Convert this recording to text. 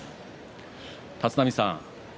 立浪さん